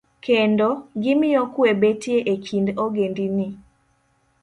Kendo, gimiyo kwe betie e kind ogendini.